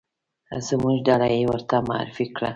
زموږ ډله یې ورته معرفي کړه.